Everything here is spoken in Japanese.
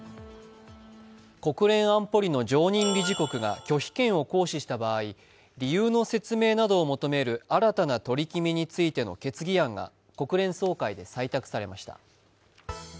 国連安保理の常任理事国が拒否権を行使した場合、理由の説明などを求める新たな取り決めについての決議案が国連総会で採択されました。